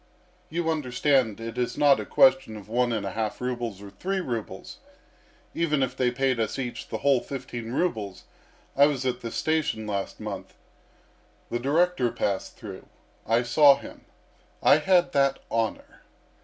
You understand it is not a question of one and a half rubles or three rubles even if they paid us each the whole fifteen rubles. I was at the station last month. The director passed through. I saw him. I had that honour.